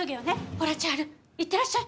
ほら千晴いってらっしゃい。